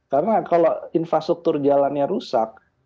karena kalau infrastruktur jalannya rusak